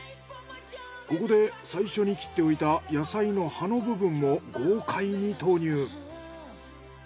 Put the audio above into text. ここで最初に切っておいた野菜の葉の部分も豪快に投入。